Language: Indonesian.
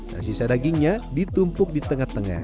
dan sisa dagingnya ditumpuk di tengah tengah